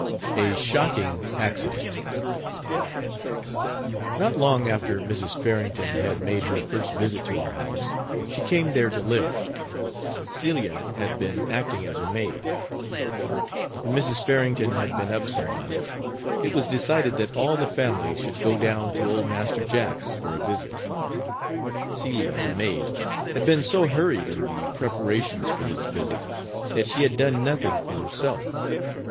A SHOCKING ACCIDENT. Not long after Mrs. Farrington had made her first visit to our house, she came there to live. Celia had been acting as her maid. When Mrs. Farrington had been up some months, it was decided that all the family should go down to old Master Jack's for a visit. Celia, the maid, had been so hurried in the preparations for this visit that she had done nothing for herself.